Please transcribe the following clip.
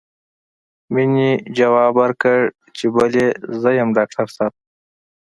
مينې ځواب ورکړ چې بلې زه يم ډاکټر صاحب.